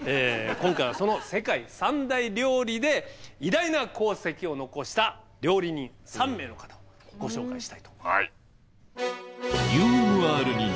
今回はその世界三大料理で偉大な功績を残した料理人３名の方をご紹介したいと。